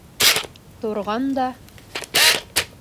Торған да: